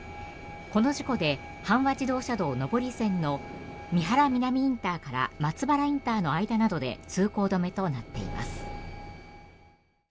この事故で阪和自動車道上り線の美原南ＩＣから松原ＩＣの間などで通行止めとなっています。